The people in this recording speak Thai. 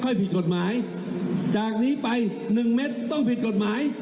ผิดกฎหมายจากนี้ไปหนึ่งเม็ดต้องผิดกฎหมาย